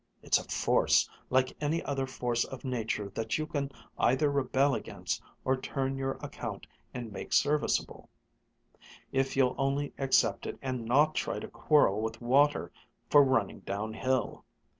It's a force, like any other force of nature that you can either rebel against, or turn to your account and make serviceable, if you'll only accept it and not try to quarrel with water for running downhill.